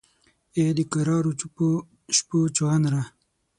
ای دکرارو چوپو شپو چونغره!